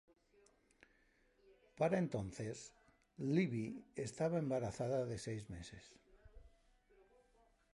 Para entonces, Libby estaba embarazada de seis meses.